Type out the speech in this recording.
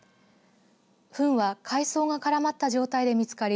ふんは海藻がからまった状態で見つかり